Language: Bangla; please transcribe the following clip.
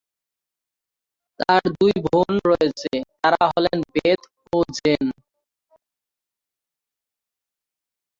তার দুই বোন রয়েছে, তারা হলেন বেথ ও জেন।